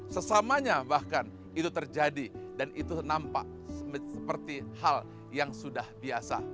sesamanya bahkan itu terjadi dan itu nampak seperti hal yang sudah biasa